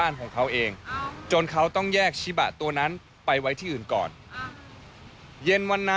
นักมวยสาหัสคนนั้นเอง